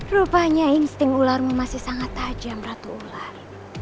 rupanya insting ularmu masih sangat tajam ratu ular